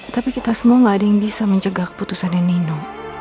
tapi kita semua gak ada yang bisa mencegah keputusannya nino